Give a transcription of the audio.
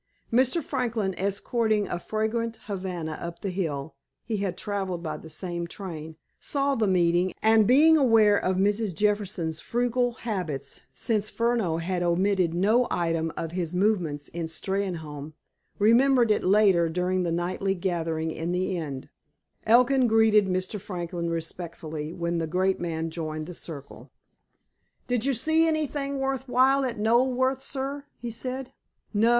Mr. Franklin, escorting a fragrant Havana up the hill (he had traveled by the same train) saw the meeting, and, being aware of Mrs. Jefferson's frugal habits, since Furneaux had omitted no item of his movements in Steynholme, remembered it later during the nightly gathering in the inn. Elkin greeted Mr. Franklin respectfully when the great man joined the circle. "Did you see anything worth while at Knoleworth, sir?" he said. "No.